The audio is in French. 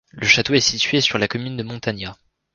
Le château est situé sur la commune de Montagnat.